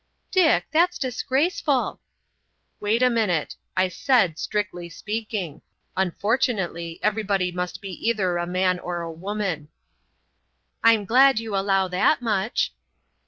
"Dick, that's disgraceful!" "Wait a minute. I said, strictly speaking. Unfortunately, everybody must be either a man or a woman." "I'm glad you allow that much."